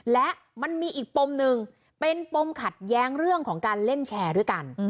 และมันมีอีกปมหนึ่งเป็นปมขัดแย้งเรื่องของการเล่นแชร์ด้วยกัน